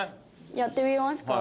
やってみますか？